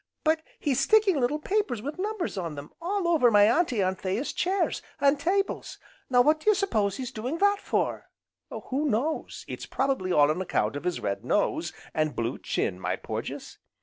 "But he's sticking little papers with numbers on them, all over my Auntie Anthea's chairs, an' tables. Now what do you s'pose he's doing that for?" "Who knows? It's probably all on account of his red nose, and blue chin, my Porges.